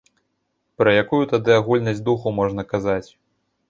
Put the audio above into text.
Пра якую тады агульнасць духу можна казаць?